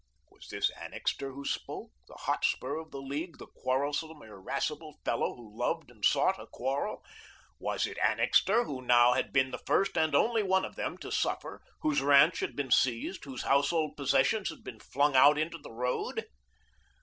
Was this Annixter who spoke the Hotspur of the League, the quarrelsome, irascible fellow who loved and sought a quarrel? Was it Annixter, who now had been the first and only one of them all to suffer, whose ranch had been seized, whose household possessions had been flung out into the road?